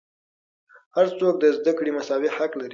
هر څوک د زدهکړې مساوي حق لري.